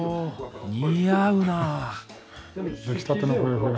似合うなあ。